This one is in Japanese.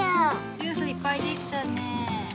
ジュースいっぱいできたねえ。